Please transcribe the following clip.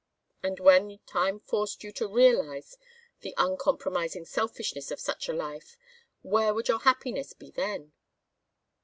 And when time forced you to realize the uncompromising selfishness of such a life where would your happiness be then?"